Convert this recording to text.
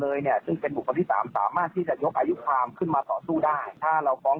เรื่อยมาตั้งแต่หลายปีนะครับเรื่อยมาต่อเนื่อง